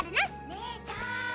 姉ちゃん！